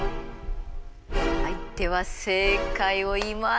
はいでは正解を言います。